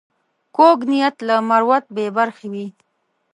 کوږ نیت له مروت بې برخې وي